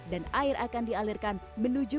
dan air akan dialirkan menuju